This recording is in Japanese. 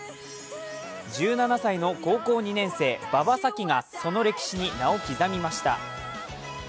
１７歳の高校２年生、馬場咲希がその歴史に名を刻みました。